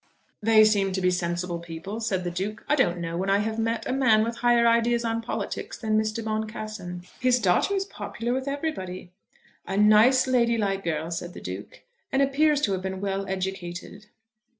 "They seem to be sensible people," said the Duke. "I don't know when I have met a man with higher ideas on politics than Mr. Boncassen." "His daughter is popular with everybody." "A nice ladylike girl," said the Duke, "and appears to have been well educated."